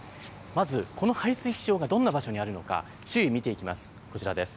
まずこの排水機場がどんな場所にあるのか、周囲を見ていきます。